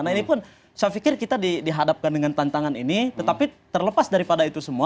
nah ini pun saya pikir kita dihadapkan dengan tantangan ini tetapi terlepas daripada itu semua